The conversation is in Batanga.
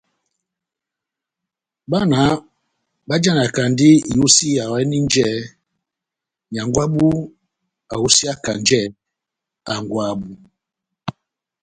Bána bakajanandi iyosiya ohòninjɛ nyángwɛ wabu ayosiyakanjɛ hángwɛ wabu.